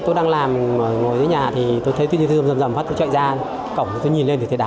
tôi đang làm ngồi ở nhà tôi thấy tinh thương rầm rầm phát tôi chạy ra cổng tôi nhìn lên thì thấy đá